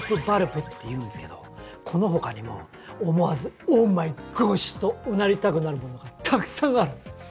バルブっていうんですけどこの他にも思わず「オーマイゴッシュ！」とうなりたくなるものがたくさんある。